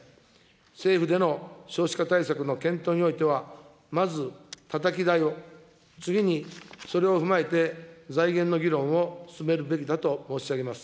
政府での少子化対策の検討においては、まずたたき台を、次にそれを踏まえて財源の議論を進めるべきだと申し上げます。